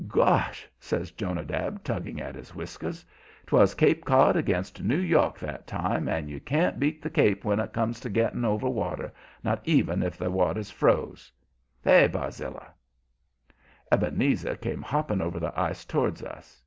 "Gosh!" says Jonadab, tugging at his whiskers: "'Twas Cape Cod against New York that time, and you can't beat the Cape when it comes to getting over water, not even if the water's froze. Hey, Barzilla?" Ebenezer came hopping over the ice towards us.